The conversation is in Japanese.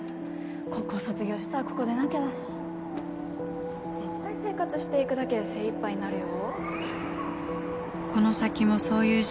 高校卒業したらここ出なきゃだし絶対生活していくだけで精いっぱいになるよ